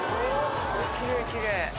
きれいきれい。